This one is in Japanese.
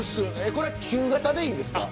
これは旧型でいいんですか。